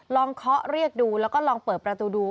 เคาะเรียกดูแล้วก็ลองเปิดประตูดู